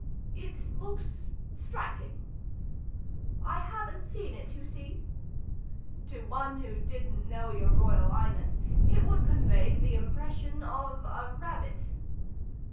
"It looks striking." "I haven't seen it, you see." "To one who didn't know your Royal Highness it would convey the impression of a rabbit."